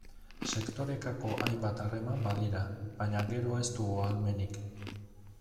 Sektorekako hainbat harreman badira, baina gero ez dugu ahalmenik.